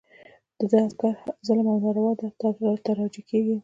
د ده د هر عسکر ظلم او ناروا ده ته راجع کېږي.